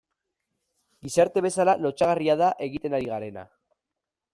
Gizarte bezala lotsagarria da egiten ari garena.